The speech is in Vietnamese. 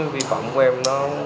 vi phạm của em nó